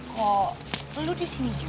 kok lo disini juga